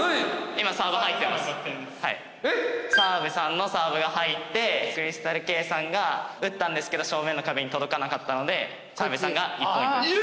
澤部さんのサーブが入ってクリスタルケイさんが打ったんですけど正面の壁に届かなかったので澤部さんが１ポイントです。